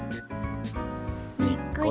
にっこり。